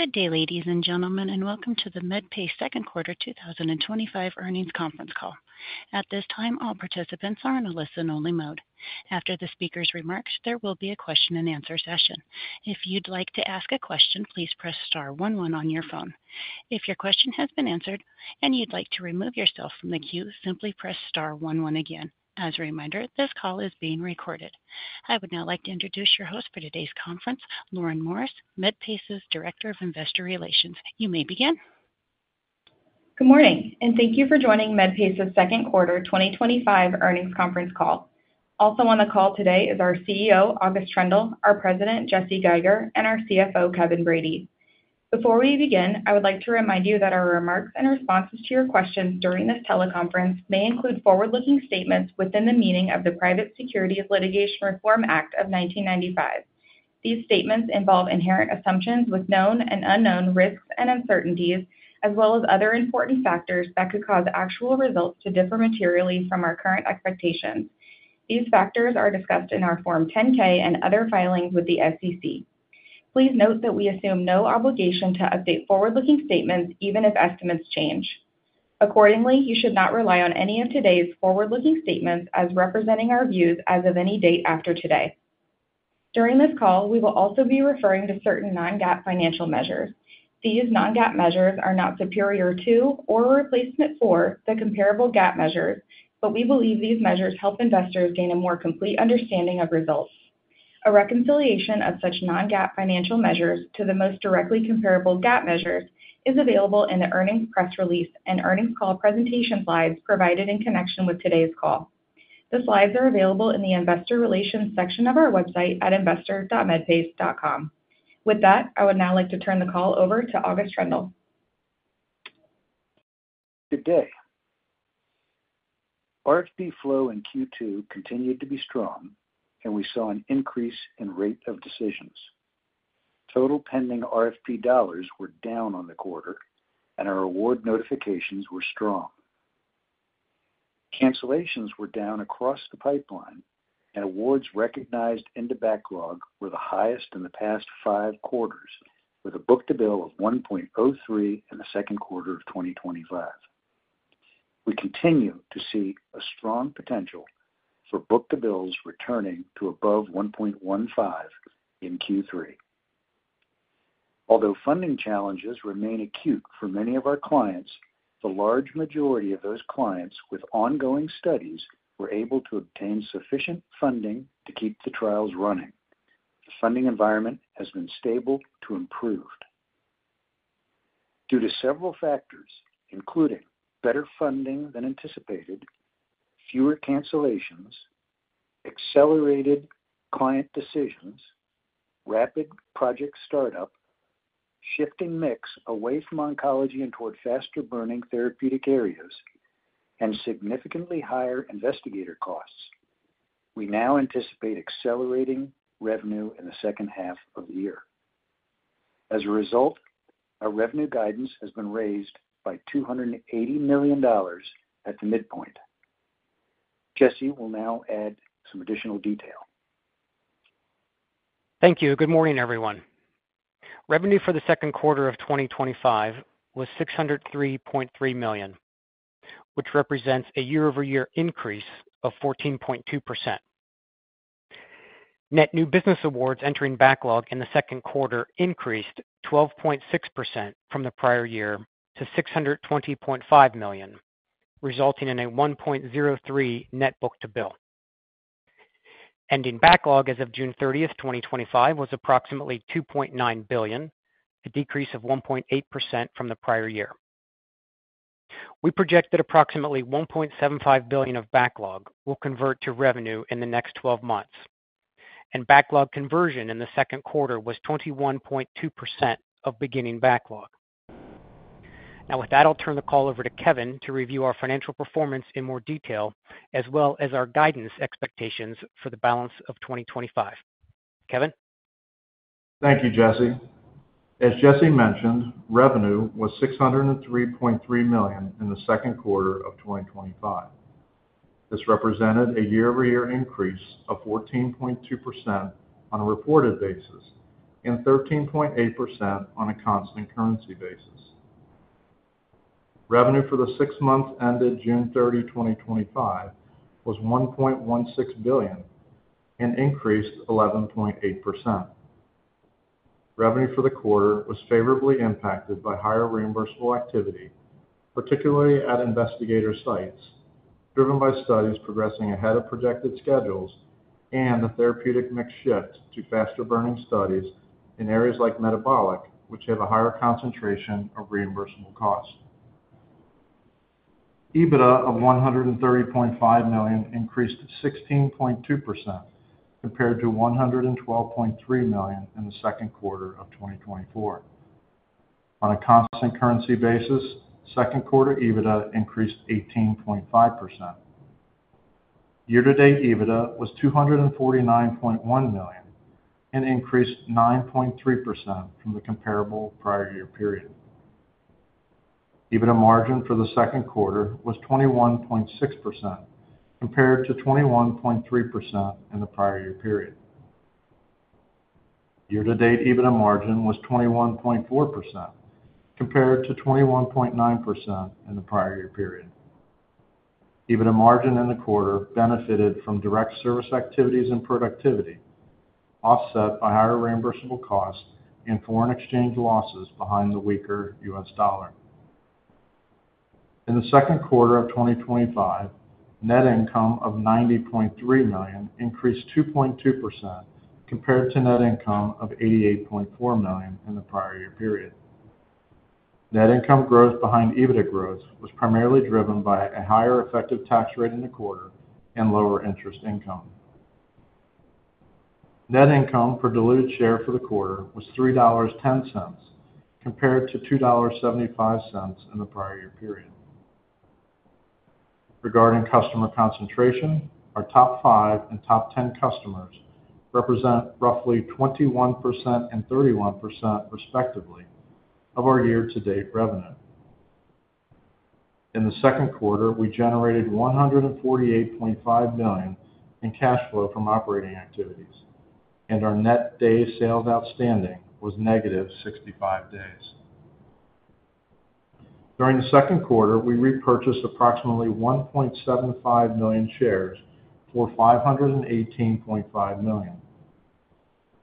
Good day, ladies and gentlemen, and welcome to the Medpace second quarter 2025 earnings conference call. At this time, all participants are in a listen-only mode. After the speaker's remarks, there will be a question-and-answer session. If you'd like to ask a question, please press star one one on your phone. If your question has been answered and you'd like to remove yourself from the queue, simply press star one one again. As a reminder, this call is being recorded. I would now like to introduce your host for today's conference, Lauren Morris, Medpace's Director of Investor Relations. You may begin. Good morning, and thank you for joining Medpace's second quarter 2025 earnings conference call. Also on the call today is our CEO, August Troendle, our President, Jesse Geiger, and our CFO, Kevin Brady. Before we begin, I would like to remind you that our remarks and responses to your questions during this teleconference may include forward-looking statements within the meaning of the Private Securities Litigation Reform Act of 1995. These statements involve inherent assumptions with known and unknown risks and uncertainties, as well as other important factors that could cause actual results to differ materially from our current expectations. These factors are discussed in our Form 10-K and other filings with the SEC. Please note that we assume no obligation to update forward-looking statements even if estimates change. Accordingly, you should not rely on any of today's forward-looking statements as representing our views as of any date after today. During this call, we will also be referring to certain non-GAAP financial measures. These non-GAAP measures are not superior to or a replacement for the comparable GAAP measures, but we believe these measures help investors gain a more complete understanding of results. A reconciliation of such non-GAAP financial measures to the most directly comparable GAAP measures is available in the earnings press release and earnings call presentation slides provided in connection with today's call. The slides are available in the Investor Relations section of our website at investor.medpace.com. With that, I would now like to turn the call over to August Troendle. Good day. RFP flow in Q2 continued to be strong, and we saw an increase in rate of decisions. Total pending RFP dollars were down on the quarter, and our award notifications were strong. Cancellations were down across the pipeline, and awards recognized in the backlog were the highest in the past five quarters, with a book-to-bill of 1.03 in the second quarter of 2025. We continue to see a strong potential for book-to-bills returning to above 1.15 in Q3. Although funding challenges remain acute for many of our clients, the large majority of those clients with ongoing studies were able to obtain sufficient funding to keep the trials running. The funding environment has been stable to improved. Due to several factors, including better funding than anticipated, fewer cancellations, accelerated client decisions, rapid project startup, shifting mix away from oncology and toward faster-burning therapeutic areas, and significantly higher investigator costs, we now anticipate accelerating revenue in the second half of the year. As a result, our revenue guidance has been raised by $280 million at the midpoint. Jesse will now add some additional detail. Thank you. Good morning, everyone. Revenue for the second quarter of 2025 was $603.3 million, which represents a year-over-year increase of 14.2%. Net new business awards entering backlog in the second quarter increased 12.6% from the prior year to $620.5 million, resulting in a 1.03 net book-to-bill. Ending backlog as of June 30, 2025, was approximately $2.9 billion, a decrease of 1.8% from the prior year. We projected approximately $1.75 billion of backlog will convert to revenue in the next 12 months, and backlog conversion in the second quarter was 21.2% of beginning backlog. Now, with that, I'll turn the call over to Kevin to review our financial performance in more detail, as well as our guidance expectations for the balance of 2025. Kevin. Thank you, Jesse. As Jesse mentioned, revenue was $603.3 million in the second quarter of 2025. This represented a year-over-year increase of 14.2% on a reported basis and 13.8% on a constant currency basis. Revenue for the six months ended June 30, 2025, was $1.16 billion and increased 11.8%. Revenue for the quarter was favorably impacted by higher reimbursable activity, particularly at investigator sites, driven by studies progressing ahead of projected schedules and the therapeutic mix shift to faster-burning studies in areas like metabolic, which have a higher concentration of reimbursable cost. EBITDA of $130.5 million increased 16.2% compared to $112.3 million in the second quarter of 2024. On a constant currency basis, second quarter EBITDA increased 18.5%. Year-to-date EBITDA was $249.1 million and increased 9.3% from the comparable prior year period. EBITDA margin for the second quarter was 21.6% compared to 21.3% in the prior year period. Year-to-date EBITDA margin was 21.4% compared to 21.9% in the prior year period. EBITDA margin in the quarter benefited from direct service activities and productivity, offset by higher reimbursable costs and foreign exchange losses behind the weaker US dollar. In the second quarter of 2025, net income of $90.3 million increased 2.2% compared to net income of $88.4 million in the prior year period. Net income growth behind EBITDA growth was primarily driven by a higher effective tax rate in the quarter and lower interest income. Net income per diluted share for the quarter was $3.10 compared to $2.75 in the prior year period. Regarding customer concentration, our top five and top ten customers represent roughly 21% and 31%, respectively, of our year-to-date revenue. In the second quarter, we generated $148.5 million in cash flow from operating activities, and our net day sales outstanding was negative 65 days. During the second quarter, we repurchased approximately 1.75 million shares for $518.5 million.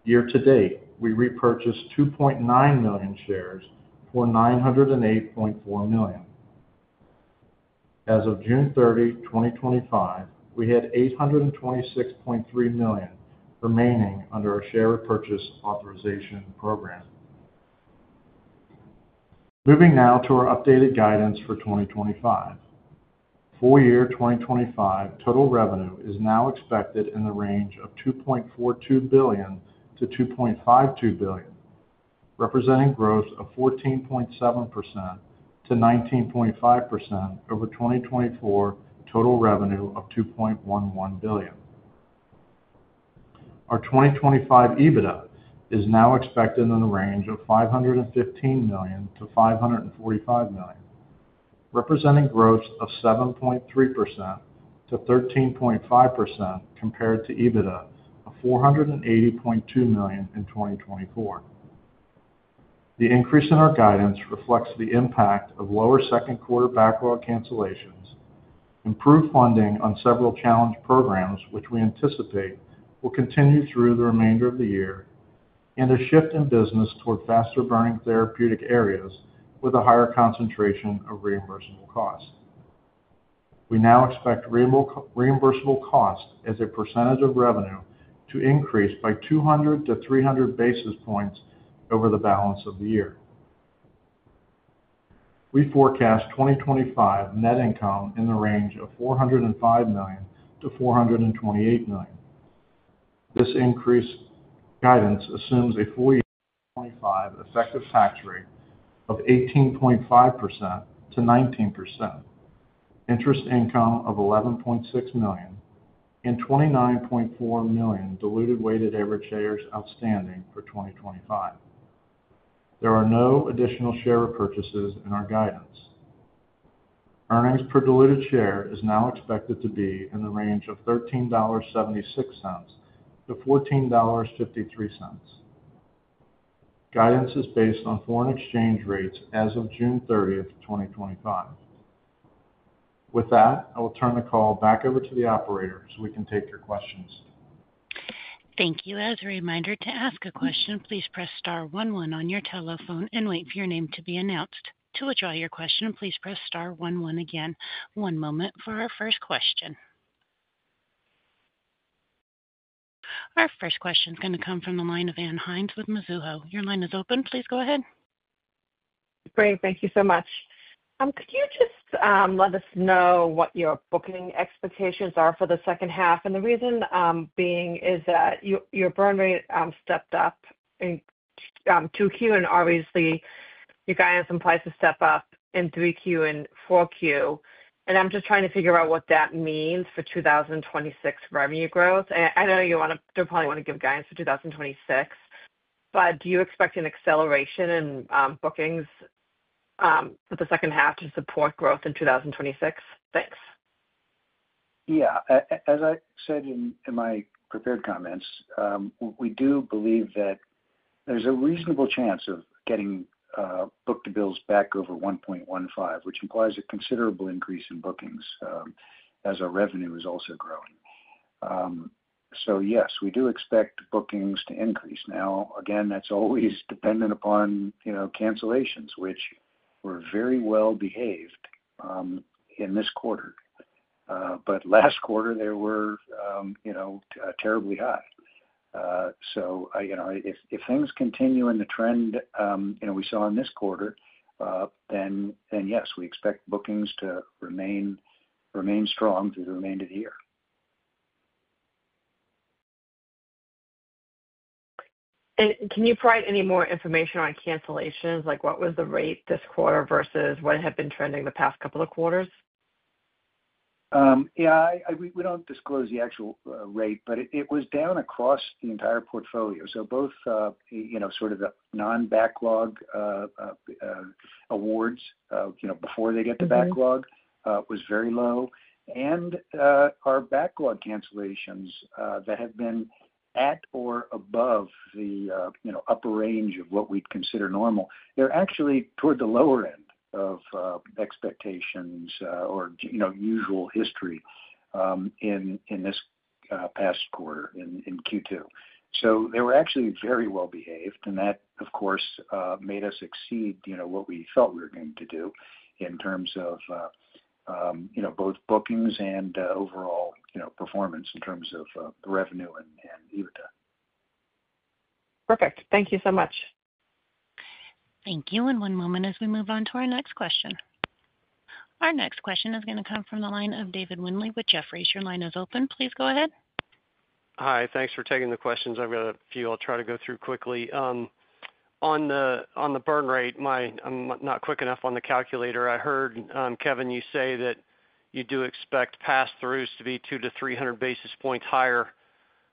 Year-to-date, we repurchased 2.9 million shares for $908.4 million. As of June 30, 2025, we had $826.3 million remaining under our share repurchase authorization program. Moving now to our updated guidance for 2025. For year 2025, total revenue is now expected in the range of $2.42 billion-$2.52 billion, representing growth of 14.7%-19.5% over 2024 total revenue of $2.11 billion. Our 2025 EBITDA is now expected in the range of $515 million-$545 million, representing growth of 7.3%-13.5% compared to EBITDA of $480.2 million in 2024. The increase in our guidance reflects the impact of lower second quarter backlog cancellations, improved funding on several challenge programs, which we anticipate will continue through the remainder of the year, and a shift in business toward faster-burning therapeutic areas with a higher concentration of reimbursable costs. We now expect reimbursable costs as a percentage of revenue to increase by 200-300 basis points over the balance of the year. We forecast 2025 net income in the range of $405 million-$428 million. This increased guidance assumes a full-year 2025 effective tax rate of 18.5%-19%. Interest income of $11.6 million and $29.4 million diluted weighted average shares outstanding for 2025. There are no additional share repurchases in our guidance. Earnings per diluted share is now expected to be in the range of $13.76-$14.53. Guidance is based on foreign exchange rates as of June 30, 2025. With that, I will turn the call back over to the operator so we can take your questions. Thank you. As a reminder, to ask a question, please press star one one on your telephone and wait for your name to be announced. To withdraw your question, please press star one one again. One moment for our first question. Our first question is going to come from the line of Ann Hynes with Mizuho. Your line is open. Please go ahead. Great. Thank you so much. Could you just let us know what your booking expectations are for the second half? The reason being is that your burn rate stepped up in 2Q, and obviously your guidance implies a step up in 3Q and 4Q. I'm just trying to figure out what that means for 2026 revenue growth. I know you probably want to give guidance for 2026. Do you expect an acceleration in bookings for the second half to support growth in 2026? Thanks. Yeah. As I said in my prepared comments, we do believe that there's a reasonable chance of getting book-to-bills back over 1.15, which implies a considerable increase in bookings as our revenue is also growing. Yes, we do expect bookings to increase. Now, again, that's always dependent upon cancellations, which were very well-behaved in this quarter. Last quarter, they were terribly high. If things continue in the trend we saw in this quarter, then yes, we expect bookings to remain strong through the remainder of the year. Can you provide any more information on cancellations? Like what was the rate this quarter versus what had been trending the past couple of quarters? Yeah. We don't disclose the actual rate, but it was down across the entire portfolio. So both sort of the non-backlog, awards before they get to backlog, was very low. And our backlog cancellations that have been at or above the upper range of what we'd consider normal, they're actually toward the lower end of expectations or usual history in this past quarter in Q2. They were actually very well-behaved, and that, of course, made us exceed what we felt we were going to do in terms of both bookings and overall performance in terms of revenue and EBITDA. Perfect. Thank you so much. Thank you. One moment as we move on to our next question. Our next question is going to come from the line of David Windley with Jefferies. Your line is open. Please go ahead. Hi. Thanks for taking the questions. I've got a few I'll try to go through quickly. On the burn rate, I'm not quick enough on the calculator. I heard, Kevin, you say that you do expect pass-throughs to be 200-300 basis points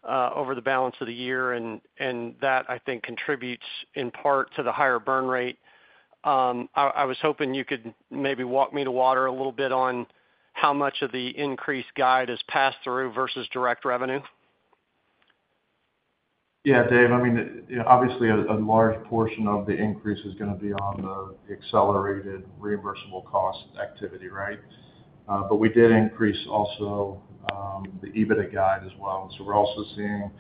higher over the balance of the year. That, I think, contributes in part to the higher burn rate. I was hoping you could maybe walk me to water a little bit on how much of the increase guide is pass-through versus direct revenue. Yeah, Dave, I mean, obviously, a large portion of the increase is going to be on the accelerated reimbursable cost activity, right? But we did increase also. The EBITDA guide as well. And so we're also seeing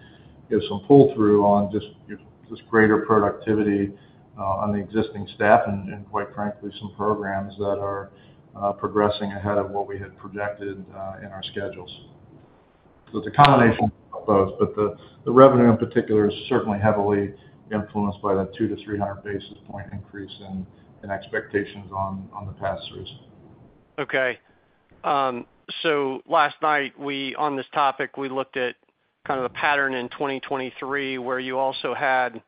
some pull-through on just greater productivity on the existing staff and, quite frankly, some programs that are progressing ahead of what we had projected in our schedules. So it's a combination of both, but the revenue in particular is certainly heavily influenced by that 200-300 basis point increase in expectations on the pass-throughs. Okay. Last night, on this topic, we looked at kind of the pattern in 2023 where you also had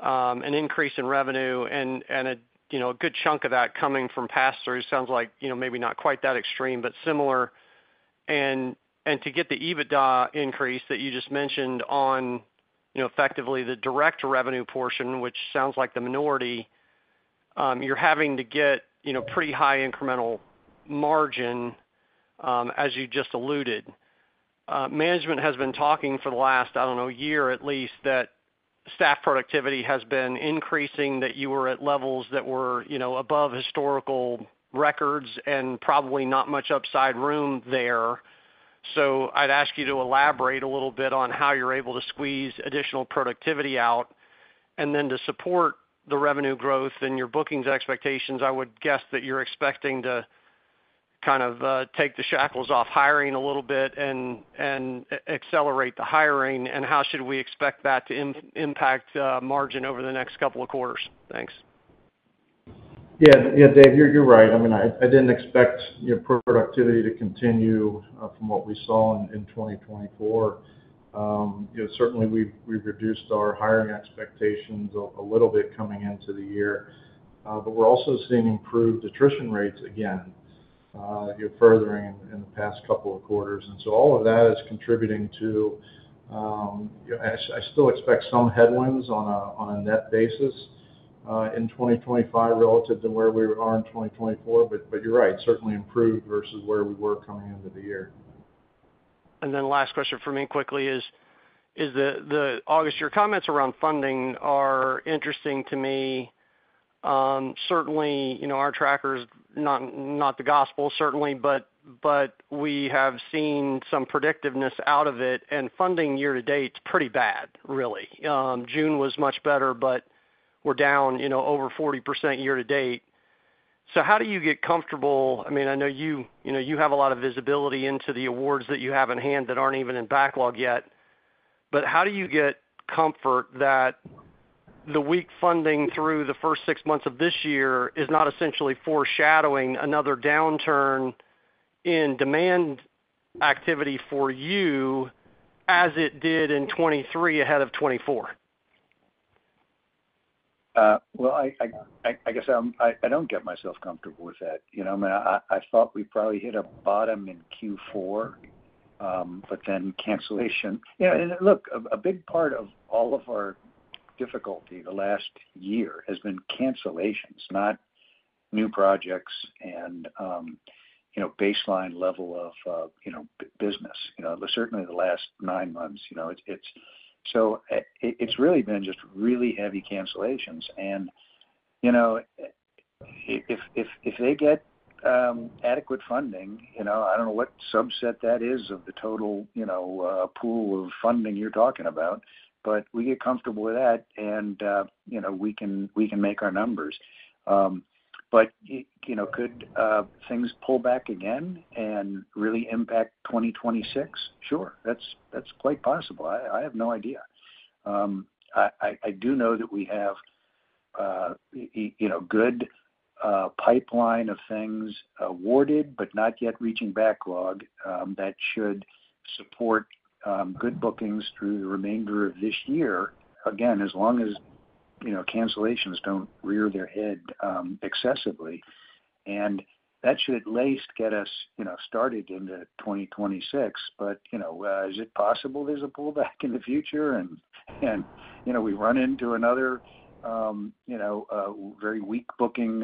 an increase in revenue and a good chunk of that coming from pass-throughs. Sounds like maybe not quite that extreme, but similar. To get the EBITDA increase that you just mentioned on effectively the direct revenue portion, which sounds like the minority, you're having to get pretty high incremental margin, as you just alluded. Management has been talking for the last, I don't know, year at least, that staff productivity has been increasing, that you were at levels that were above historical records and probably not much upside room there. I'd ask you to elaborate a little bit on how you're able to squeeze additional productivity out. To support the revenue growth and your bookings expectations, I would guess that you're expecting to kind of take the shackles off hiring a little bit and accelerate the hiring. How should we expect that to impact margin over the next couple of quarters? Thanks. Yeah, Dave, you're right. I mean, I didn't expect productivity to continue from what we saw in 2024. Certainly, we've reduced our hiring expectations a little bit coming into the year. We're also seeing improved attrition rates again, furthering in the past couple of quarters. All of that is contributing to, I still expect some headwinds on a net basis in 2025 relative to where we are in 2024. You're right, certainly improved versus where we were coming into the year. Last question for me quickly is, August, your comments around funding are interesting to me. Certainly, our trackers, not the gospel, certainly, but we have seen some predictiveness out of it. Funding year to date is pretty bad, really. June was much better, but we're down over 40% year to date. How do you get comfortable? I mean, I know you have a lot of visibility into the awards that you have in hand that aren't even in backlog yet. How do you get comfort that the weak funding through the first six months of this year is not essentially foreshadowing another downturn in demand activity for you, as it did in 2023 ahead of 2024? I guess I don't get myself comfortable with that. I mean, I thought we probably hit a bottom in Q4. But then cancellation. Yeah. A big part of all of our difficulty the last year has been cancellations, not new projects and baseline level of business. Certainly, the last nine months. It's really been just really heavy cancellations. If they get adequate funding, I don't know what subset that is of the total pool of funding you're talking about, but we get comfortable with that, and we can make our numbers. Could things pull back again and really impact 2026? Sure. That's quite possible. I have no idea. I do know that we have a good pipeline of things awarded, but not yet reaching backlog that should support good bookings through the remainder of this year, again, as long as cancellations don't rear their head excessively. That should at least get us started into 2026. Is it possible there's a pullback in the future and we run into another very weak booking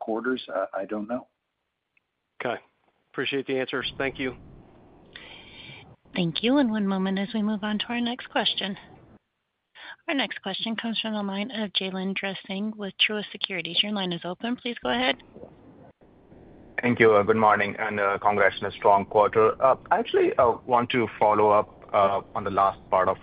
quarters? I don't know. Okay. Appreciate the answers. Thank you. Thank you. One moment as we move on to our next question. Our next question comes from the line of Jailendra Singh with Truist Securities. Your line is open. Please go ahead. Thank you. Good morning and congrats on a strong quarter. I actually want to follow-up on the last part of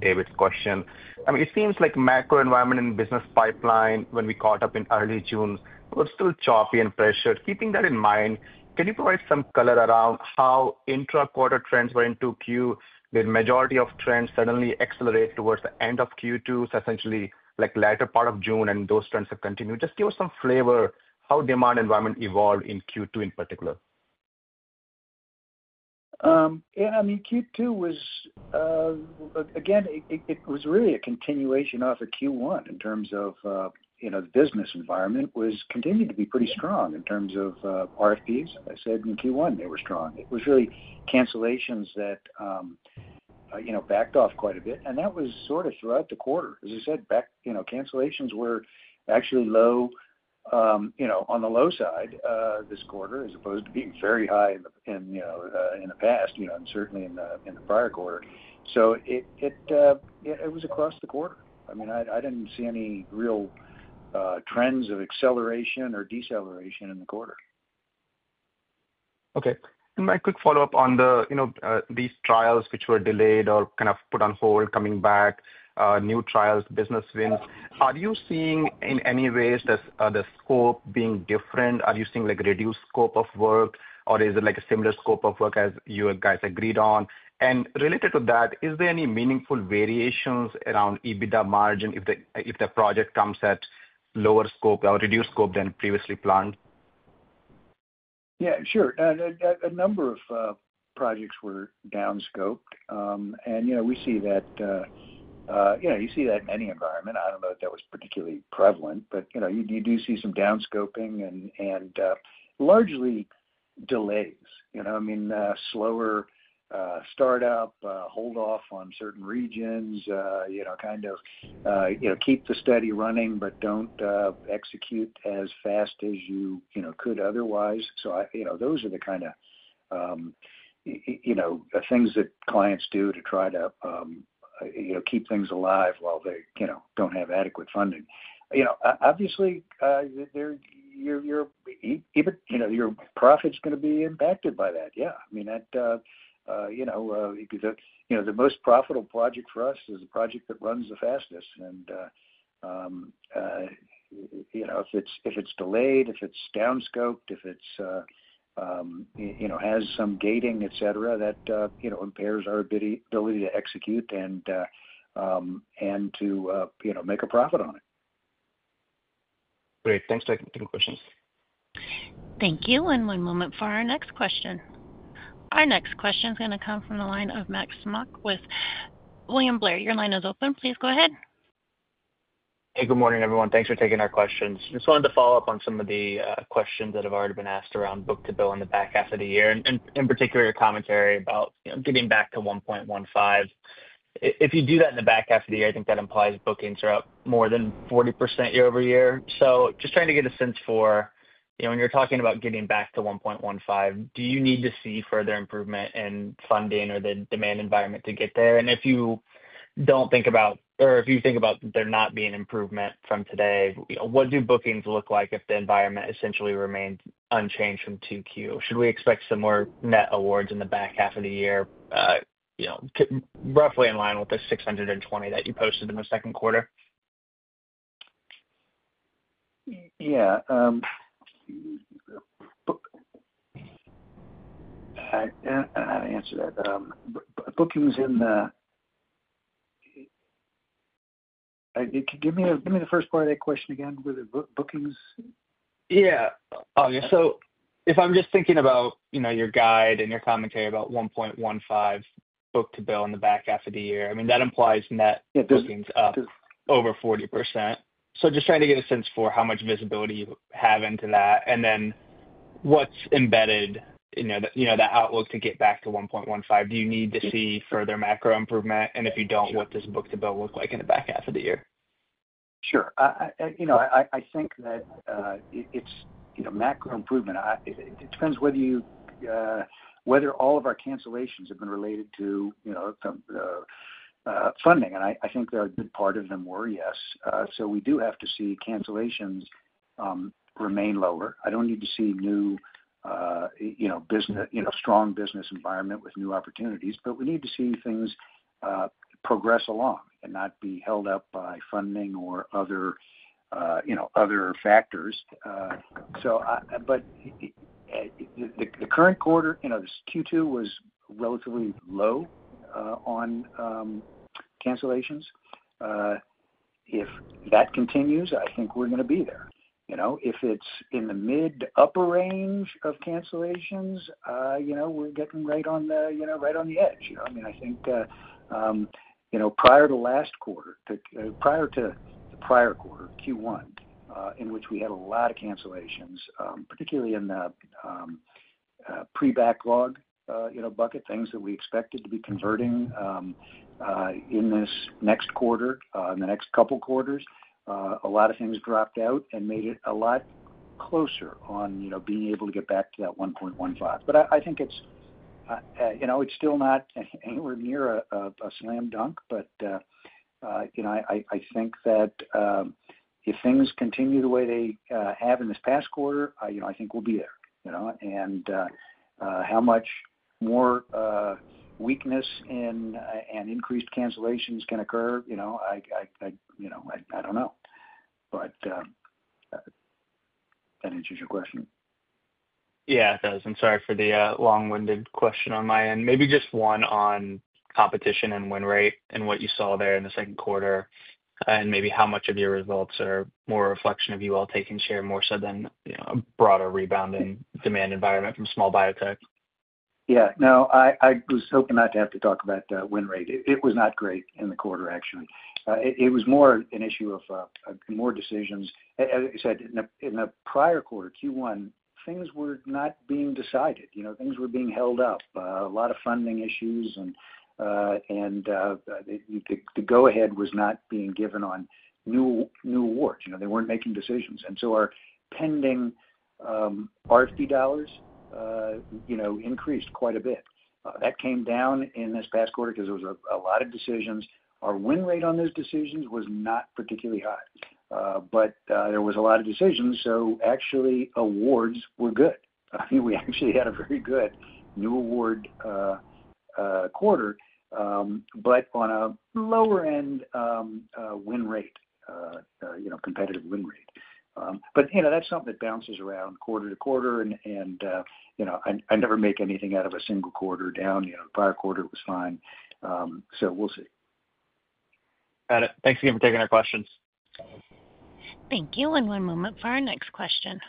David question. I mean, it seems like macro environment and business pipeline when we caught up in early June was still choppy and pressured. Keeping that in mind, can you provide some color around how intra-quarter trends were in 2Q? Did the majority of trends suddenly accelerate towards the end of Q2, essentially like latter part of June, and those trends have continued? Just give us some flavor how demand environment evolved in Q2 in particular. Yeah. I mean, Q2 was. Again, it was really a continuation of Q1 in terms of. The business environment continued to be pretty strong in terms of RFPs. As I said in Q1, they were strong. It was really cancellations that. Backed off quite a bit. That was sort of throughout the quarter. As I said, cancellations were actually low. On the low side this quarter as opposed to being very high in. The past and certainly in the prior quarter. It was across the quarter. I mean, I did not see any real. Trends of acceleration or deceleration in the quarter. Okay. My quick follow-up on these trials which were delayed or kind of put on hold, coming back, new trials, business wins. Are you seeing in any ways the scope being different? Are you seeing a reduced scope of work, or is it a similar scope of work as you guys agreed on? Related to that, is there any meaningful variations around EBITDA margin if the project comes at lower scope or reduced scope than previously planned? Yeah, sure. A number of projects were downscoped. You see that in any environment. I don't know that that was particularly prevalent, but you do see some downscoping and largely delays. I mean, slower startup, hold off on certain regions, kind of keep the study running, but don't execute as fast as you could otherwise. Those are the kind of things that clients do to try to keep things alive while they don't have adequate funding. Obviously, your profit is going to be impacted by that. Yeah. I mean, the most profitable project for us is the project that runs the fastest. If it's delayed, if it's downscoped, if it has some gating, etc., that impairs our ability to execute and to make a profit on it. Great. Thanks for taking the questions. Thank you. One moment for our next question. Our next question is going to come from the line of Max Smock with William Blair. Your line is open. Please go ahead. Hey, good morning, everyone. Thanks for taking our questions. Just wanted to follow-up on some of the questions that have already been asked around book-to-bill in the back half of the year, and in particular, your commentary about getting back to 1.15. If you do that in the back half of the year, I think that implies bookings are up more than 40% year-over-year. Just trying to get a sense for when you're talking about getting back to 1.15, do you need to see further improvement in funding or the demand environment to get there? If you think about there not being improvement from today, what do bookings look like if the environment essentially remains unchanged from 2Q? Should we expect some more net awards in the back half of the year, roughly in line with the 620 that you posted in the second quarter? Yeah. I don't know how to answer that. Bookings in the— Give me the first part of that question again. Were the bookings? Yeah. If I'm just thinking about your guide and your commentary about 1.15 book-to-bill in the back half of the year, I mean, that implies net bookings up over 40%. Just trying to get a sense for how much visibility you have into that. What's embedded in the outlook to get back to 1.15? Do you need to see further macro improvement? If you don't, what does book-to-bill look like in the back half of the year? Sure. I think that. It's macro improvement. It depends whether all of our cancellations have been related to funding. And I think a good part of them were, yes. We do have to see cancellations remain lower. I don't need to see new strong business environment with new opportunities. We need to see things progress along and not be held up by funding or other factors. The current quarter, Q2, was relatively low on cancellations. If that continues, I think we're going to be there. If it's in the mid to upper range of cancellations, we're getting right on the edge. I mean, I think prior to last quarter, prior to the prior quarter, Q1, in which we had a lot of cancellations, particularly in the pre-backlog bucket, things that we expected to be converting in this next quarter, in the next couple of quarters, a lot of things dropped out and made it a lot closer on being able to get back to that 1.15. I think it's still not anywhere near a slam dunk. I think that if things continue the way they have in this past quarter, I think we'll be there. How much more weakness and increased cancellations can occur, I don't know. That answers your question. Yeah, it does. I'm sorry for the long-winded question on my end. Maybe just one on competition and win rate and what you saw there in the second quarter. Maybe how much of your results are more a reflection of you all taking share more so than a broader rebound in demand environment from small biotech. Yeah. No, I was hoping not to have to talk about win rate. It was not great in the quarter, actually. It was more an issue of more decisions. As I said, in the prior quarter, Q1, things were not being decided. Things were being held up. A lot of funding issues. The go-ahead was not being given on new awards. They were not making decisions. Our pending RFP dollars increased quite a bit. That came down in this past quarter because there were a lot of decisions. Our win rate on those decisions was not particularly high. There were a lot of decisions. Actually, awards were good. I mean, we actually had a very good new award quarter, but on a lower-end win rate, competitive win rate. That is something that bounces around quarter to quarter. I never make anything out of a single quarter down. The prior quarter was fine. We will see. Got it. Thanks again for taking our questions. Thank you. One moment for our next question.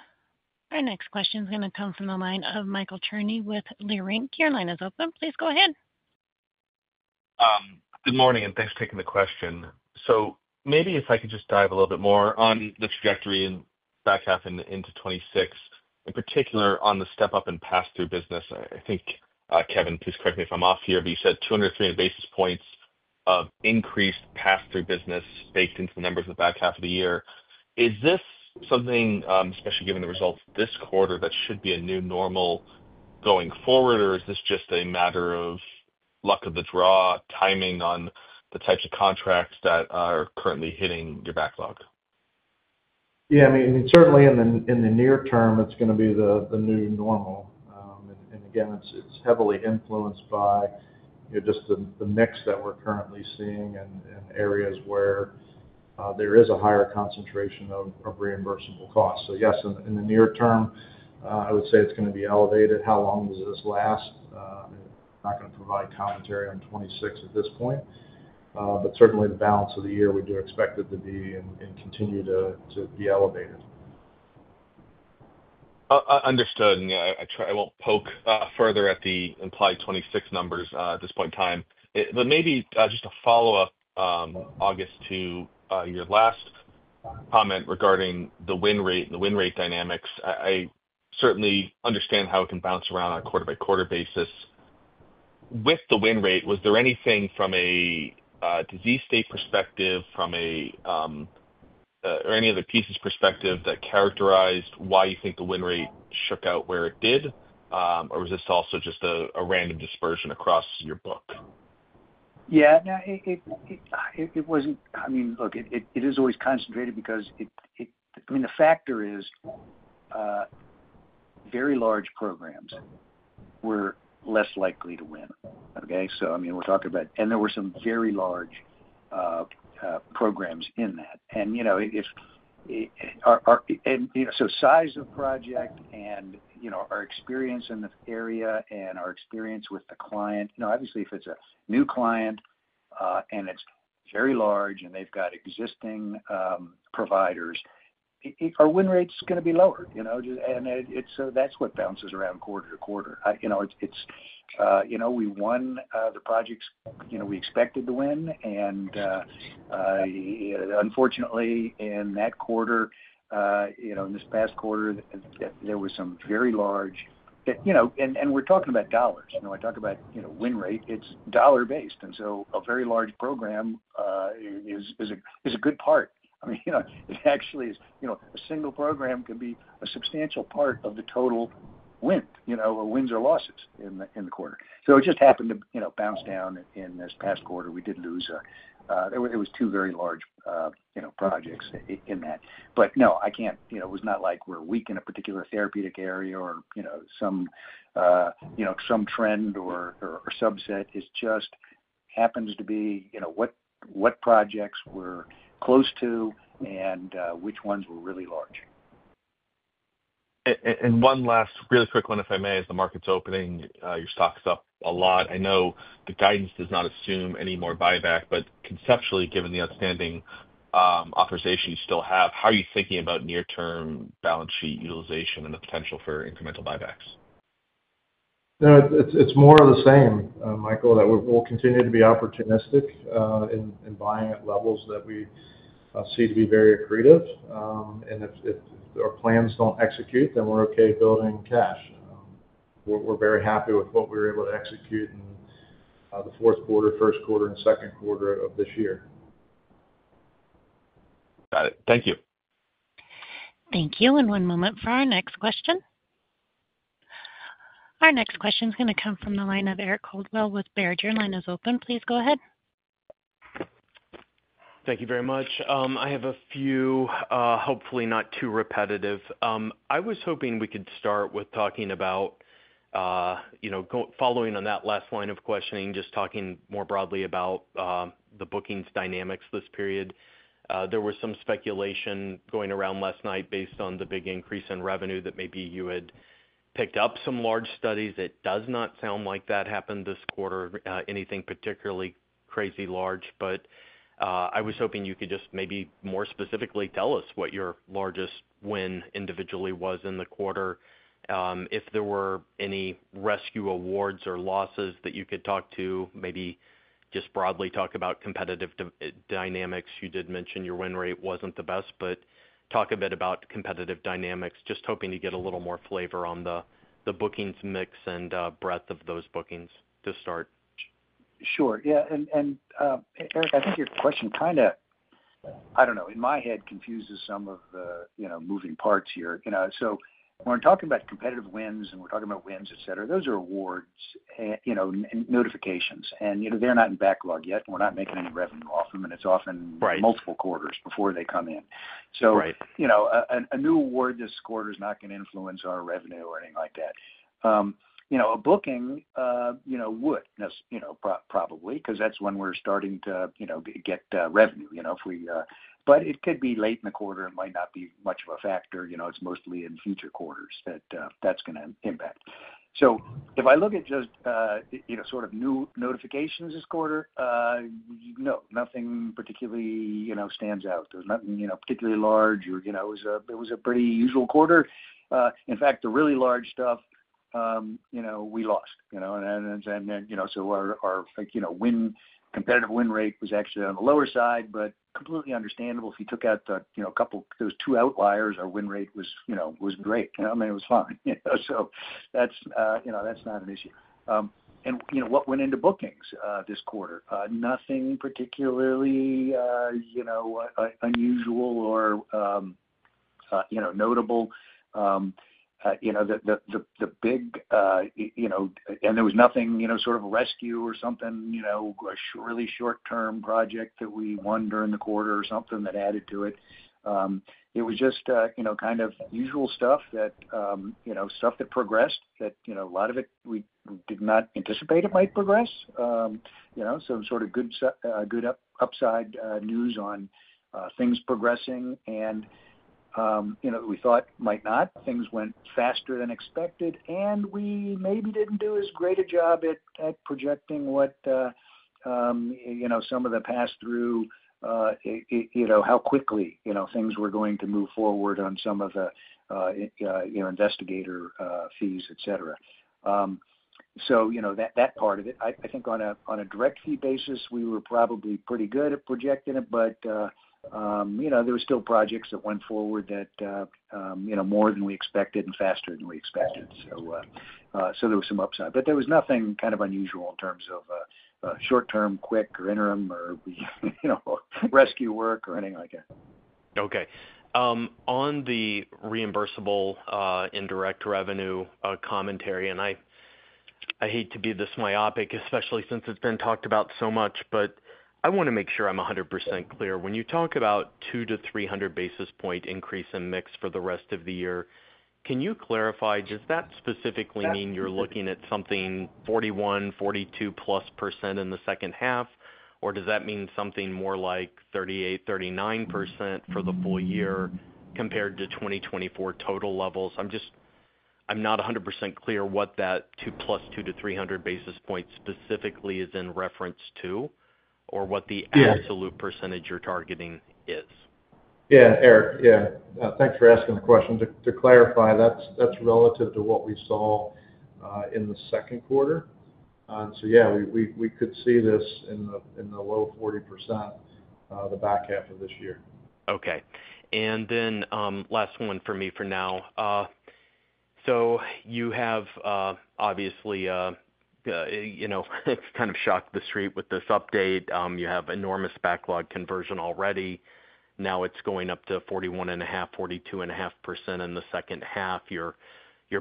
Our next question is going to come from the line of Michael Cherny with Leerink. Your line is open. Please go ahead. Good morning and thanks for taking the question. Maybe if I could just dive a little bit more on the trajectory in the back half into 2026, in particular on the step-up in pass-through business. I think, Kevin, please correct me if I'm off here, but you said 203 basis points of increased pass-through business baked into the numbers of the back half of the year. Is this something, especially given the results this quarter, that should be a new normal going forward, or is this just a matter of luck of the draw, timing on the types of contracts that are currently hitting your backlog? Yeah. I mean, certainly in the near-term, it's going to be the new normal. And again, it's heavily influenced by just the mix that we're currently seeing and areas where there is a higher concentration of reimbursable costs. So yes, in the near-term, I would say it's going to be elevated. How long does this last? I'm not going to provide commentary on 2026 at this point. But certainly, the balance of the year, we do expect it to be and continue to be elevated. Understood. I won't poke further at the implied 26 numbers at this point in time. Maybe just a follow-up, August, to your last comment regarding the win rate and the win rate dynamics. I certainly understand how it can bounce around on a quarter-by-quarter basis. With the win rate, was there anything from a disease state perspective, or any other piece's perspective that characterized why you think the win rate shook out where it did? Or was this also just a random dispersion across your book? Yeah. No. I mean, look, it is always concentrated because, I mean, the factor is very large programs. We're less likely to win, okay? I mean, we're talking about—and there were some very large programs in that. If— And so size of project and our experience in this area and our experience with the client—now, obviously, if it's a new client and it's very large and they've got existing providers, our win rate is going to be lower. That is what bounces around quarter to quarter. We won the projects we expected to win. Unfortunately, in that quarter, in this past quarter, there were some very large— We are talking about dollars. When I talk about win rate, it's dollar-based. A very large program is a good part. I mean, it actually is—a single program can be a substantial part of the total wins or losses in the quarter. It just happened to bounce down in this past quarter. We did lose a—it was two very large projects in that. No, I can't—it was not like we're weak in a particular therapeutic area or some trend or subset. It just happens to be what projects we're close to and which ones were really large. One last really quick one, if I may, as the market's opening, your stock's up a lot. I know the guidance does not assume any more buyback, but conceptually, given the outstanding authorization you still have, how are you thinking near-term balance sheet utilization and the potential for incremental buybacks? It's more of the same, Michael, that we'll continue to be opportunistic. In buying at levels that we see to be very accretive. If our plans don't execute, then we're okay building cash. We're very happy with what we were able to execute in the fourth quarter, first quarter, and second quarter of this year. Got it. Thank you. Thank you. One moment for our next question. Our next question is going to come from the line of Eric Coldwell with Baird. Your line is open. Please go ahead. Thank you very much. I have a few, hopefully not too repetitive. I was hoping we could start with talking about, following on that last line of questioning, just talking more broadly about the bookings dynamics this period. There was some speculation going around last night based on the big increase in revenue that maybe you had picked up some large studies. It does not sound like that happened this quarter, anything particularly crazy large. I was hoping you could just maybe more specifically tell us what your largest win individually was in the quarter. If there were any rescue awards or losses that you could talk to, maybe just broadly talk about competitive dynamics. You did mention your win rate was not the best, but talk a bit about competitive dynamics, just hoping to get a little more flavor on the bookings mix and breadth of those bookings to start. Sure. Yeah. Eric, I think your question kind of, I don't know, in my head, confuses some of the moving parts here. When we're talking about competitive wins and we're talking about wins, etc., those are awards. Notifications. They're not in backlog yet. We're not making any revenue off them. It's often multiple quarters before they come in. A new award this quarter is not going to influence our revenue or anything like that. A booking would, probably, because that's when we're starting to get revenue. It could be late in the quarter. It might not be much of a factor. It's mostly in future quarters that that's going to impact. If I look at just sort of new notifications this quarter, no, nothing particularly stands out. There's nothing particularly large. It was a pretty usual quarter. In fact, the really large stuff, we lost. Our competitive win rate was actually on the lower side, but completely understandable if you took out a couple—there were two outliers. Our win rate was great. I mean, it was fine. That's not an issue. What went into bookings this quarter? Nothing particularly unusual or notable. The big—and there was nothing sort of a rescue or something, a really short-term project that we won during the quarter or something that added to it. It was just kind of usual stuff that progressed, that a lot of it we did not anticipate it might progress. Sort of good upside news on things progressing and we thought might not. Things went faster than expected. We maybe didn't do as great a job at projecting what some of the pass-through, how quickly things were going to move forward on some of the investigator fees, etc. That part of it, I think on a direct fee basis, we were probably pretty good at projecting it. There were still projects that went forward, more than we expected and faster than we expected. There was some upside. There was nothing kind of unusual in terms of short-term, quick, or interim, or rescue work, or anything like that. Okay. On the reimbursable indirect revenue commentary, and I hate to be this myopic, especially since it's been talked about so much, but I want to make sure I'm 100% clear. When you talk about 2-300 basis point increase in mix for the rest of the year, can you clarify? Does that specifically mean you're looking at something 41%, 42%+ in the second half? Or does that mean something more like 38%, 39% for the full year compared to 2024 total levels? I'm just not 100% clear what that plus 2-300 basis points specifically is in reference to or what the absolute percentage you're targeting is. Yeah, Eric. Yeah. Thanks for asking the question. To clarify, that's relative to what we saw in the second quarter. Yeah, we could see this in the low 40% the back half of this year. Okay. And then last one for me for now. You have obviously kind of shocked the street with this update. You have enormous backlog conversion already. Now it is going up to 41.5%-42.5% in the second half. Your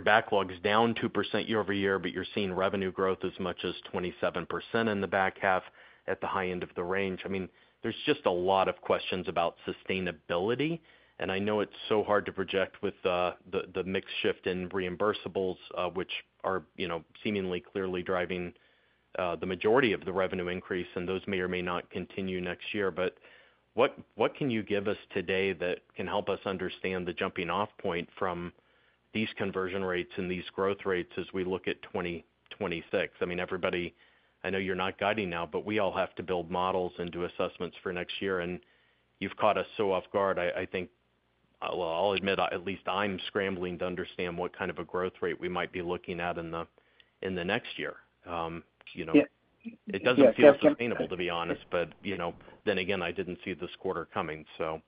backlog is down 2% year-over-year, but you are seeing revenue growth as much as 27% in the back half at the high end of the range. I mean, there is just a lot of questions about sustainability. I know it is so hard to project with the mix shift in reimbursables, which are seemingly clearly driving the majority of the revenue increase. Those may or may not continue next year. What can you give us today that can help us understand the jumping-off point from these conversion rates and these growth rates as we look at 2026? I mean, everybody, I know you are not guiding now, but we all have to build models and do assessments for next year. You have caught us so off guard. I think, I will admit, at least I am scrambling to understand what kind of a growth rate we might be looking at in the next year. It does not feel sustainable, to be honest. Then again, I did not see this quarter coming, so.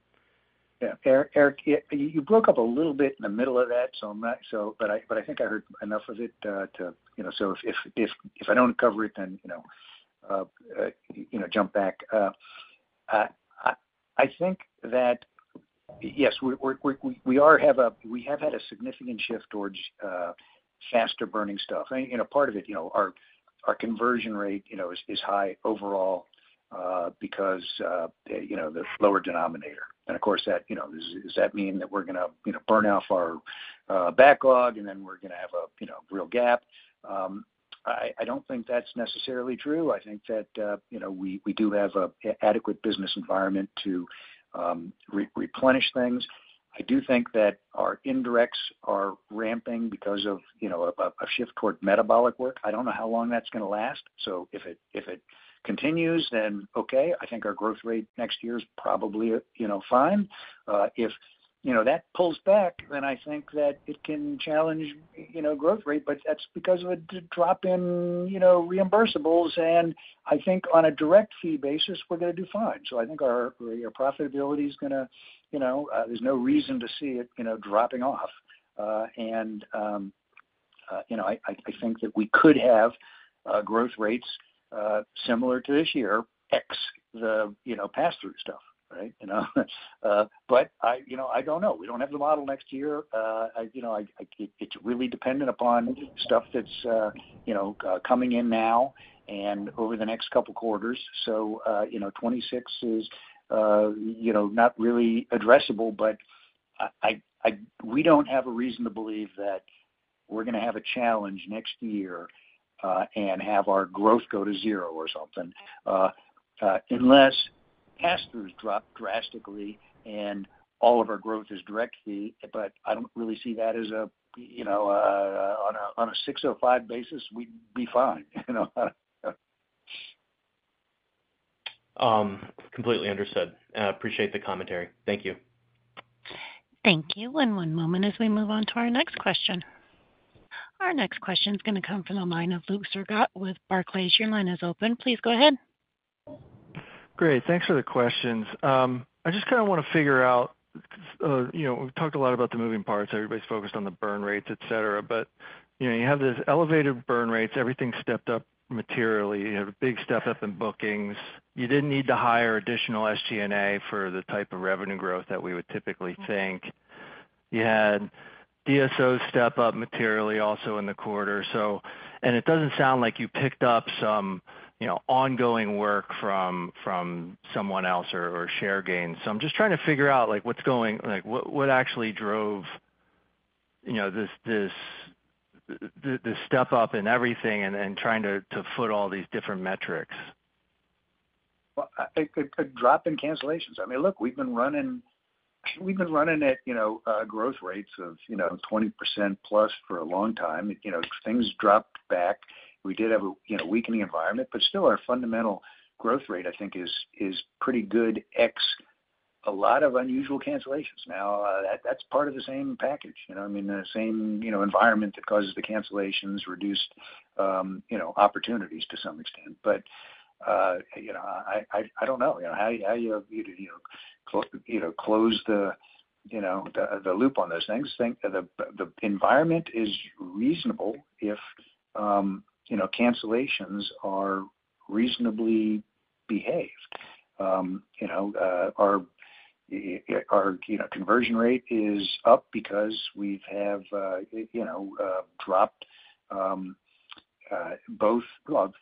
Yeah. Eric, you broke up a little bit in the middle of that, so. But I think I heard enough of it to—so if I do not cover it, then. Jump back. I think that. Yes, we have had a significant shift towards. Faster-burning stuff. And part of it, our conversion rate is high overall. Because. The lower denominator. And of course, does that mean that we are going to burn off our backlog and then we are going to have a real gap? I do not think that is necessarily true. I think that. We do have an adequate business environment to. Replenish things. I do think that our indirects are ramping because of. A shift toward metabolic work. I do not know how long that is going to last. If it continues, then okay, I think our growth rate next year is probably fine. If that pulls back, then I think that it can challenge growth rate. That is because of a drop in reimbursables. I think on a direct fee basis, we are going to do fine. I think our profitability is going to—there is no reason to see it dropping off. I think that we could have growth rates similar to this year, ex the pass-through stuff, right? I do not know. We do not have the model next year. It is really dependent upon stuff that is. Coming in now and over the next couple of quarters. Twenty twenty-six is. Not really addressable, but. We do not have a reason to believe that we are going to have a challenge next year. And have our growth go to zero or something. Unless pass-throughs drop drastically and all of our growth is direct fee. I do not really see that as a. On a 605 basis, we would be fine. Completely understood. Appreciate the commentary. Thank you. Thank you. One moment as we move on to our next question. Our next question is going to come from the line of Luke Sergott with Barclays. Your line is open. Please go ahead. Great. Thanks for the questions. I just kind of want to figure out. We've talked a lot about the moving parts. Everybody's focused on the burn rates, etc. You have this elevated burn rates. Everything stepped up materially. You had a big step up in bookings. You didn't need to hire additional SG&A for the type of revenue growth that we would typically think. You had DSO step up materially also in the quarter. It doesn't sound like you picked up some ongoing work from someone else or share gains. I'm just trying to figure out what's going—what actually drove this step up in everything and trying to foot all these different metrics. A drop in cancellations. I mean, look, we've been running at growth rates of 20%+ for a long time. Things dropped back. We did have a weakening environment. Still, our fundamental growth rate, I think, is pretty good ex a lot of unusual cancellations. Now, that's part of the same package. I mean, the same environment that causes the cancellations reduced opportunities to some extent. I don't know. How do you close the loop on those things? The environment is reasonable if cancellations are reasonably behaved. Our conversion rate is up because we've dropped both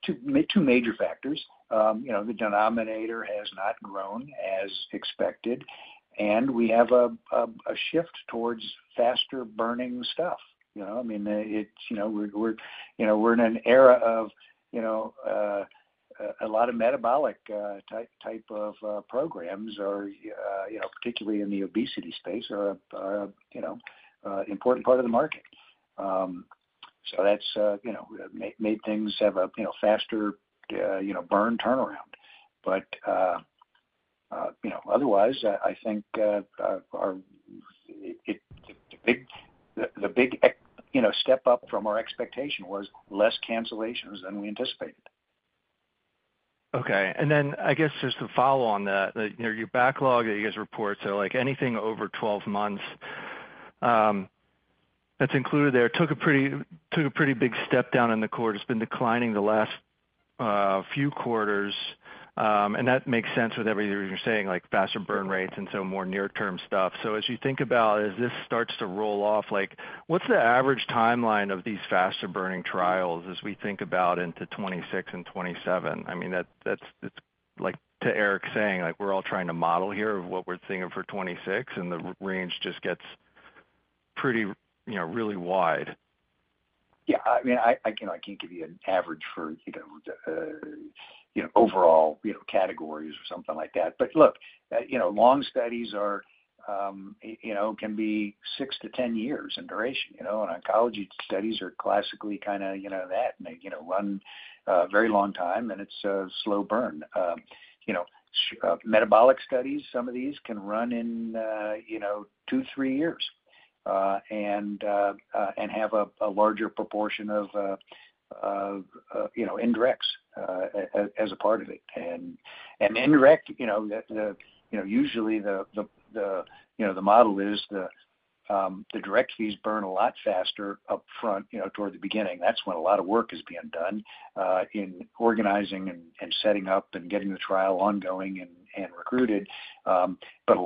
two major factors. The denominator has not grown as expected, and we have a shift towards faster-burning stuff. I mean, we're in an era of a lot of metabolic type of programs, particularly in the obesity space, are an important part of the market. That's made things have a faster burn turnaround. Otherwise, I think the big step up from our expectation was less cancellations than we anticipated. Okay. And then I guess just to follow on that, your backlog that you guys report, so anything over 12 months, that's included there, took a pretty big step down in the quarter. It's been declining the last few quarters. That makes sense with everything you're saying, like faster burn rates and some more near-term stuff. As you think about as this starts to roll off, what's the average timeline of these faster-burning trials as we think about into 2026 and 2027? I mean, that's like to Eric saying, we're all trying to model here of what we're seeing for 2026, and the range just gets really wide. Yeah. I mean, I can't give you an average for overall categories or something like that. Look, long studies can be 6-10 years in duration. Oncology studies are classically kind of that, and they run a very long time, and it's a slow burn. Metabolic studies, some of these can run in two, three years and have a larger proportion of indirects as a part of it. Indirect, usually the model is the direct fees burn a lot faster up front toward the beginning. That's when a lot of work is being done in organizing and setting up and getting the trial ongoing and recruited. A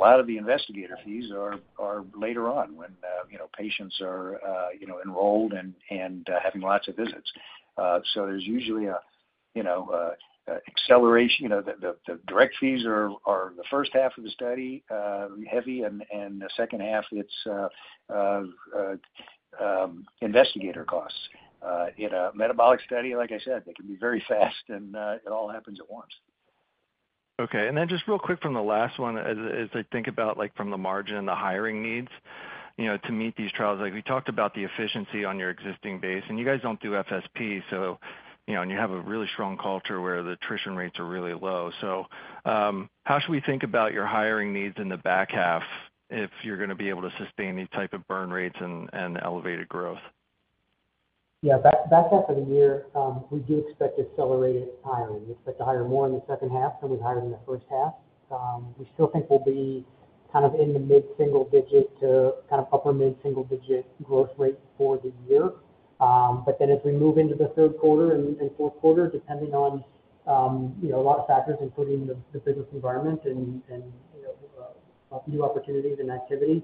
lot of the investigator fees are later on when patients are enrolled and having lots of visits. There's usually an acceleration. The direct fees are the first half of the study heavy, and the second half, it's investigator costs. In a metabolic study, like I said, they can be very fast, and it all happens at once. Okay. And then just real quick from the last one, as I think about from the margin and the hiring needs to meet these trials, we talked about the efficiency on your existing base. And you guys do not do FSP, and you have a really strong culture where the attrition rates are really low. How should we think about your hiring needs in the back half if you are going to be able to sustain these types of burn rates and elevated growth? Yeah. Back half of the year, we do expect accelerated hiring. We expect to hire more in the second half than we hired in the first half. We still think we'll be kind of in the mid-single digit to kind of upper mid-single digit growth rate for the year. As we move into the third quarter and fourth quarter, depending on a lot of factors, including the business environment and new opportunities and activity,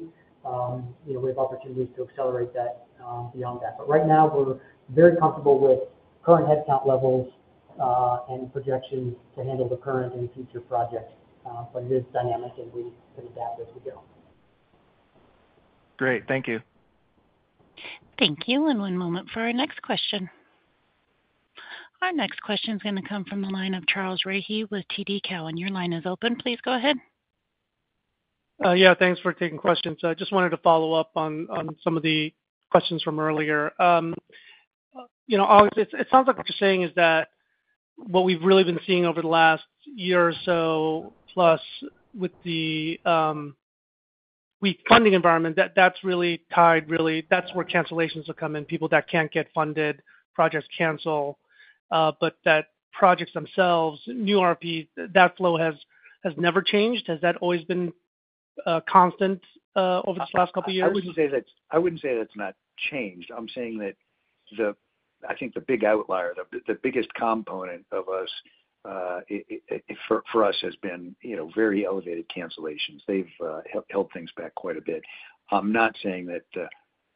we have opportunities to accelerate that beyond that. Right now, we're very comfortable with current headcount levels and projections to handle the current and future projects. It is dynamic, and we can adapt as we go. Great. Thank you. Thank you. One moment for our next question. Our next question is going to come from the line of Charles Rhyee with TD Cowen. Your line is open. Please go ahead. Yeah. Thanks for taking questions. I just wanted to follow-up on some of the questions from earlier. August, it sounds like what you're saying is that what we've really been seeing over the last year or so plus with the funding environment, that's really tied, really that's where cancellations have come in, people that can't get funded, projects cancel. That projects themselves, new RFP, that flow has never changed. Has that always been constant over this last couple of years? I wouldn't say that's not changed. I'm saying that I think the big outlier, the biggest component for us, has been very elevated cancellations. They've held things back quite a bit. I'm not saying that the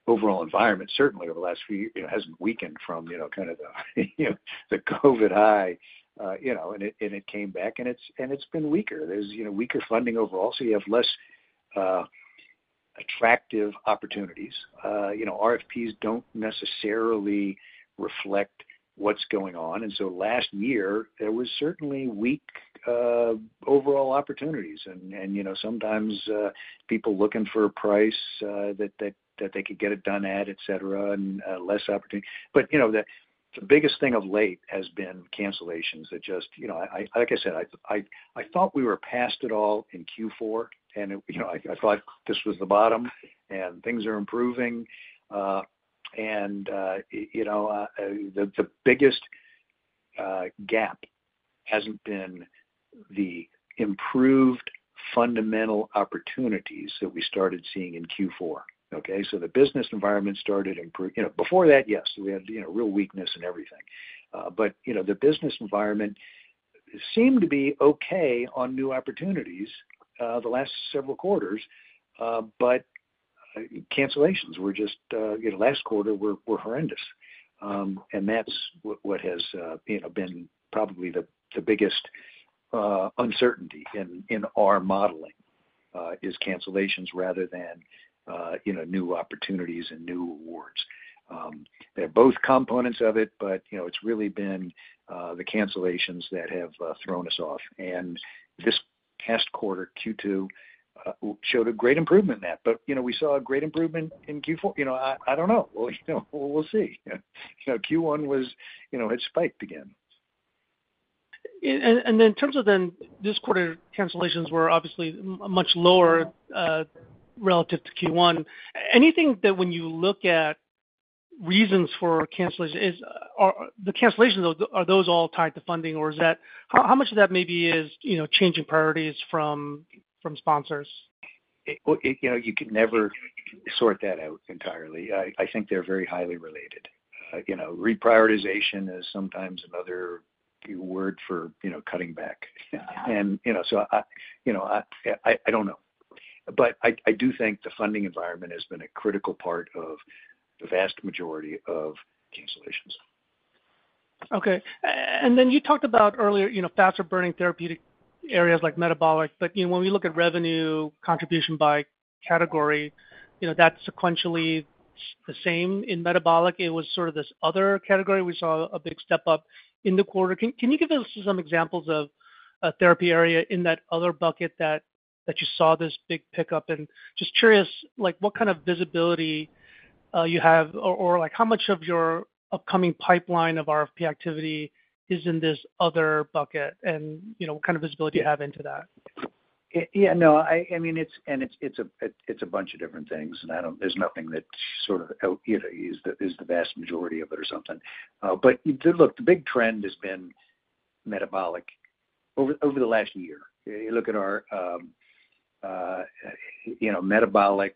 overall environment, certainly over the last few years, hasn't weakened from kind of the COVID high. It came back, and it's been weaker. There's weaker funding overall, so you have less attractive opportunities. RFPs don't necessarily reflect what's going on. Last year, there were certainly weak overall opportunities, and sometimes people looking for a price that they could get it done at, etc., and less opportunity. The biggest thing of late has been cancellations that, just like I said, I thought we were past it all in Q4, and I thought this was the bottom, and things are improving. The biggest gap hasn't been the improved fundamental opportunities that we started seeing in Q4, okay? The business environment started before that. Yes, we had real weakness in everything, but the business environment seemed to be okay on new opportunities the last several quarters. Cancellations just last quarter were horrendous, and that has been probably the biggest uncertainty in our modeling, cancellations rather than new opportunities and new awards. They're both components of it, but it's really been the cancellations that have thrown us off. This past quarter, Q2, showed a great improvement in that, but we saw a great improvement in Q4. I don't know. We'll see. Q1 was, it spiked again. In terms of this quarter, cancellations were obviously much lower relative to Q1. Anything that, when you look at reasons for cancellations, are the cancellations, are those all tied to funding, or is that, how much of that maybe is changing priorities from sponsors? You can never sort that out entirely. I think they're very highly related. Reprioritization is sometimes another word for cutting back. I don't know. I do think the funding environment has been a critical part of the vast majority of cancellations. Okay. You talked about earlier faster-burning therapeutic areas like metabolic. When we look at revenue contribution by category, that is sequentially the same in metabolic. It was sort of this other category. We saw a big step up in the quarter. Can you give us some examples of a therapy area in that other bucket that you saw this big pickup? I am just curious what kind of visibility you have or how much of your upcoming pipeline of RFP activity is in this other bucket and what kind of visibility you have into that? Yeah. No. I mean, and it's a bunch of different things. There's nothing that sort of is the vast majority of it or something. Look, the big trend has been metabolic over the last year. You look at our metabolic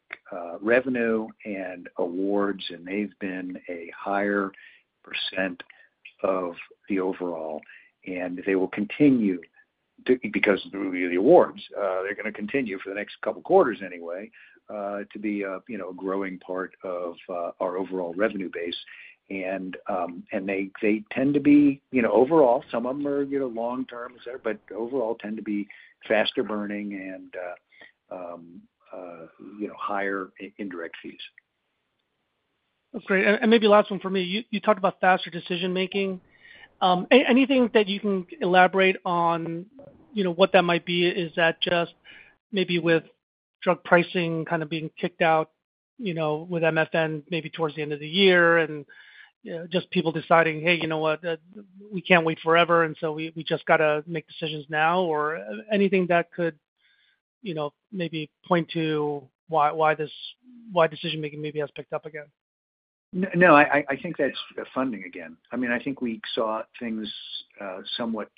revenue and awards, and they've been a higher percent of the overall. They will continue. Because of the awards, they're going to continue for the next couple of quarters anyway to be a growing part of our overall revenue base. They tend to be overall, some of them are long-term, etc., but overall tend to be faster-burning and higher indirect fees. Great. Maybe last one for me. You talked about faster decision-making. Anything that you can elaborate on, what that might be? Is that just maybe with drug pricing kind of being kicked out, with MFN maybe towards the end of the year and just people deciding, "Hey, you know what? We can't wait forever, and so we just got to make decisions now," or anything that could maybe point to why decision-making maybe has picked up again? No. I think that's funding again. I mean, I think we saw things somewhat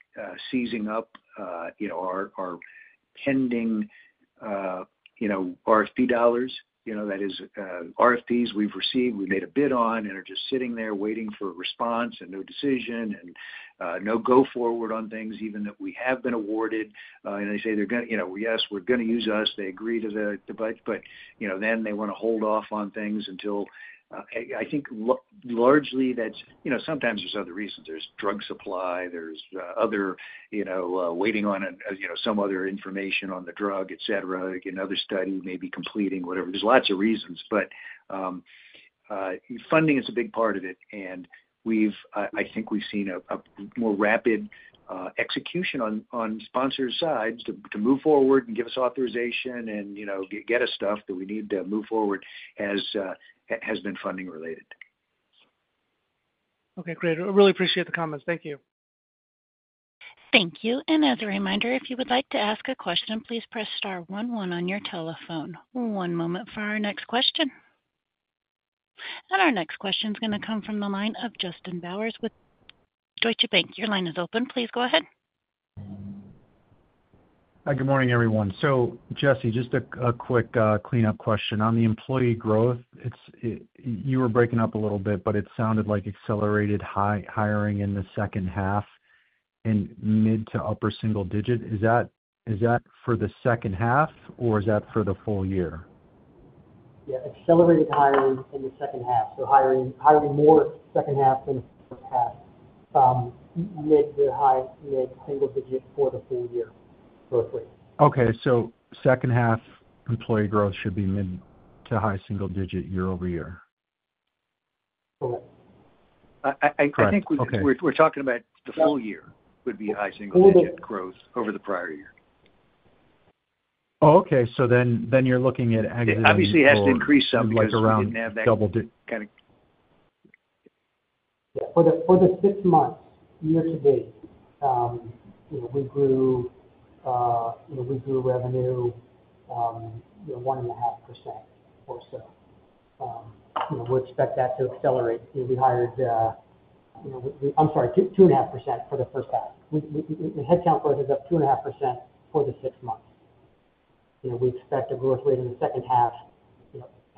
seizing up. Our pending RFP dollars, that is RFPs we've received, we've made a bid on, and are just sitting there waiting for a response and no decision and no go-forward on things, even that we have been awarded. They say they're going to, yes, they're going to use us. They agree to the budget, but then they want to hold off on things until, I think largely that's sometimes, there's other reasons. There's drug supply, there's other waiting on some other information on the drug, etc., another study may be completing, whatever. There's lots of reasons. Funding is a big part of it. I think we've seen a more rapid execution on sponsors' side to move forward and give us authorization and get us stuff that we need to move forward as has been funding-related. Okay. Great. I really appreciate the comments. Thank you. Thank you. As a reminder, if you would like to ask a question, please press star one one on your telephone. One moment for our next question. Our next question is going to come from the line of Justin Bowers with Deutsche Bank. Your line is open. Please go ahead. Hi. Good morning, everyone. Jesse, just a quick cleanup question. On the employee growth, you were breaking up a little bit, but it sounded like accelerated hiring in the second half. In mid to upper single digit. Is that for the second half, or is that for the full year? Yeah. Accelerated hiring in the second half. So hiring more second half than the first half. Mid to high mid single digit for the full year roughly. Okay. So second half employee growth should be mid to high single digit year-over-year? Correct. I think we're talking about the full year would be high single digit growth over the prior year. Oh, okay. So then you're looking at. Obviously, it has to increase something like around double digit. Kind of. Yeah. For the six months, year to date. We grew revenue 1.5% or so. We expect that to accelerate. We hired, I'm sorry, 2.5% for the first half. The headcount growth is up 2.5% for the six months. We expect a growth rate in the second half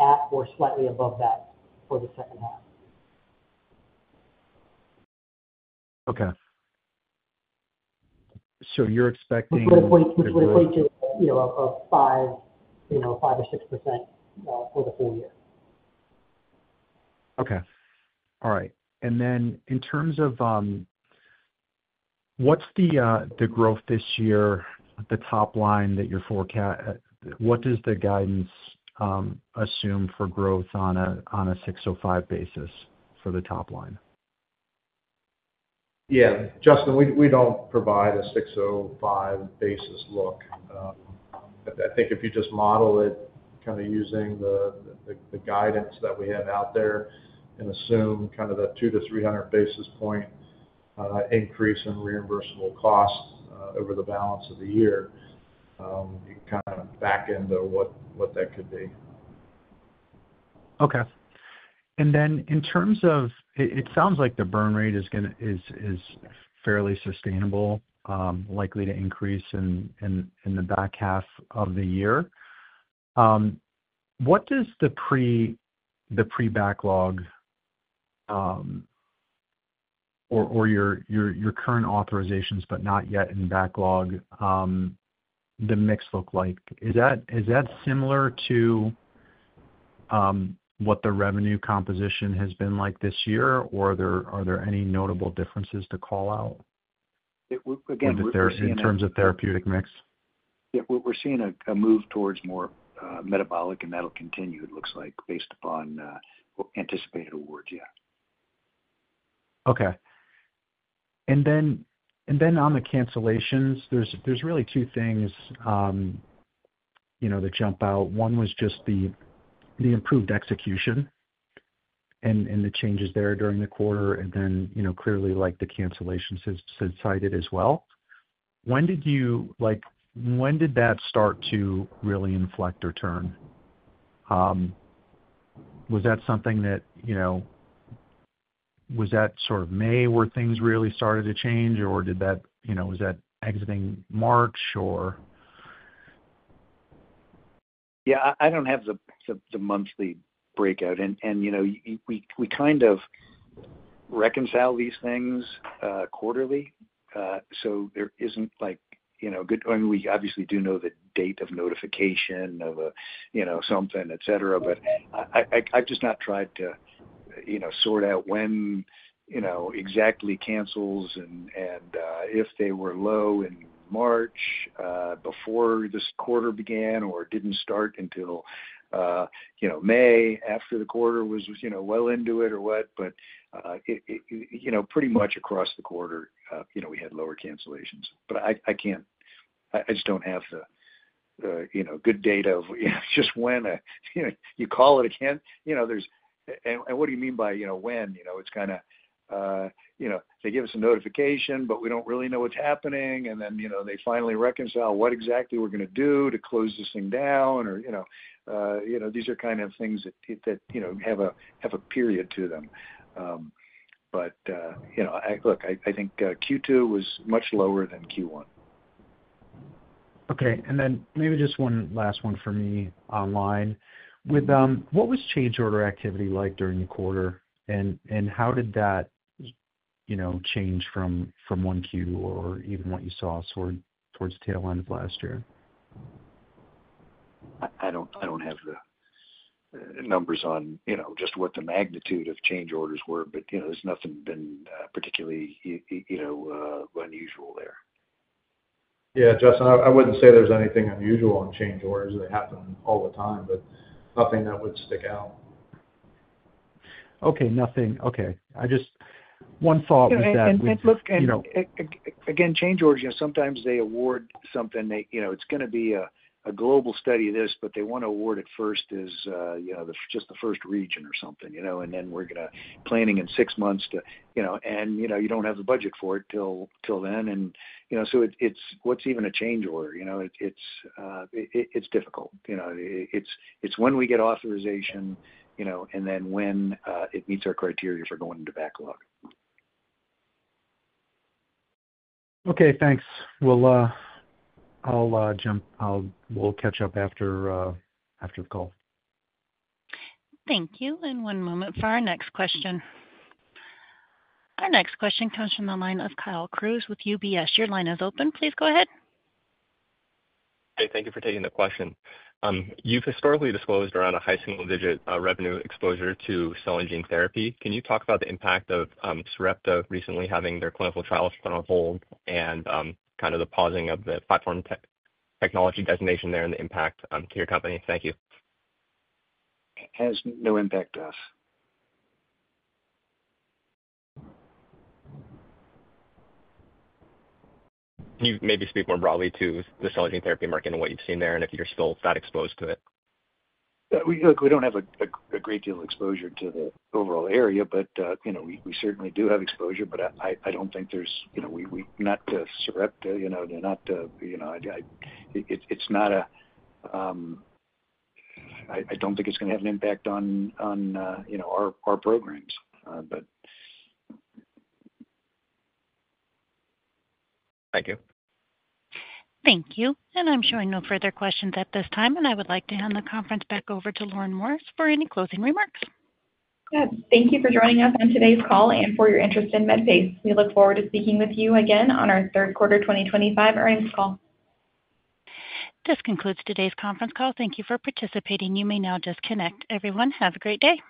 at or slightly above that for the second half. Okay. So you're expecting? Which would equate to a 5% or 6% for the full year. Okay. All right. In terms of what's the growth this year, the top line that you're forecast, what does the guidance assume for growth on a 605 basis for the top line? Yeah. Justin, we do not provide a 605 basis look. I think if you just model it kind of using the guidance that we have out there and assume kind of the 2-300 basis point increase in reimbursable cost over the balance of the year, you can kind of back into what that could be. Okay. In terms of it sounds like the burn rate is fairly sustainable, likely to increase in the back half of the year. What does the pre-backlog or your current authorizations, but not yet in backlog, the mix look like? Is that similar to what the revenue composition has been like this year, or are there any notable differences to call out? Again, we're seeing. In terms of therapeutic mix? Yeah. We're seeing a move towards more metabolic, and that'll continue, it looks like, based upon anticipated awards. Yeah. Okay. On the cancellations, there are really two things that jump out. One was just the improved execution and the changes there during the quarter, and then clearly the cancellations cited as well. When did that start to really inflect or turn? Was that something that, was that sort of May where things really started to change, or was that exiting March? Yeah. I do not have the monthly breakout. We kind of reconcile these things quarterly. There is not a good—I mean, we obviously do know the date of notification of something, etc., but I have just not tried to sort out when exactly cancels and if they were low in March before this quarter began or did not start until May after the quarter was well into it or what. Pretty much across the quarter, we had lower cancellations. I cannot—I just do not have the good data of just when you call it a—and what do you mean by when? It is kind of—they give us a notification, but we do not really know what is happening. Then they finally reconcile what exactly we are going to do to close this thing down. These are kind of things that have a period to them. Look, I think Q2 was much lower than Q1. Okay. Maybe just one last one for me online. What was change order activity like during the quarter, and how did that change from 1Q or even what you saw towards tail end of last year? I don't have the numbers on just what the magnitude of change orders were, but there's nothing been particularly unusual there. Yeah. Justin, I wouldn't say there's anything unusual in change orders. They happen all the time, but nothing that would stick out. Okay. Nothing. Okay. One thought was that. Look, again, change orders, sometimes they award something. It's going to be a global study of this, but they want to award it first as just the first region or something. Then we're going to planning in six months to—and you don't have the budget for it till then. What's even a change order? It's difficult. It's when we get authorization and then when it meets our criteria for going into backlog. Okay. Thanks. I'll catch up after the call. Thank you. One moment for our next question. Our next question comes from the line of Kyle Crews with UBS. Your line is open. Please go ahead. Hey, thank you for taking the question. You've historically disclosed around a high single digit revenue exposure to cell and gene therapy. Can you talk about the impact of Sarepta recently having their clinical trials put on hold and kind of the pausing of the platform technology designation there and the impact to your company? Thank you. Has no impact to us. Can you maybe speak more broadly to the cell and gene therapy market and what you've seen there and if you're still that exposed to it? Look, we don't have a great deal of exposure to the overall area, but we certainly do have exposure. I don't think there's—we're not to Sarepta. They're not to—it's not a—I don't think it's going to have an impact on our programs, but. Thank you. Thank you. I'm showing no further questions at this time. I would like to hand the conference back over to Lauren Morris for any closing remarks. Good. Thank you for joining us on today's call and for your interest in Medpace. We look forward to speaking with you again on our third quarter 2025 earnings call. This concludes today's conference call. Thank you for participating. You may now disconnect. Everyone, have a great day.